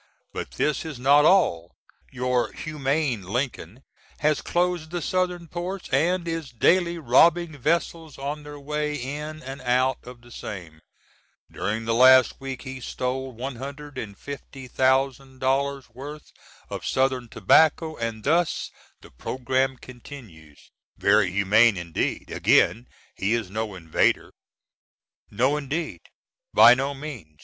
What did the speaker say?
But this is not all; your humane Lincoln has closed the Southern ports, & is daily robbing vessels on their way in & out of the same. During the last week he stole $150,000 worth of Southern Tobacco, & thus the programme continues. Very humane indeed! Again, he is no invader! No indeed! by no means!